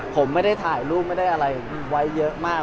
ผมไม่ได้ถ่ายรูปไม่ได้อะไรไว้เยอะมาก